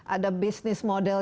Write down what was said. ada bisnis model